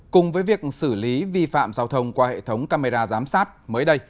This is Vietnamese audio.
cùng với việc xử lý vi phạm giao thông qua hệ thống camera giám sát mới đây